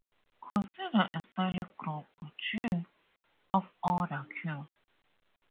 Consider a cyclic group "G" of order "q".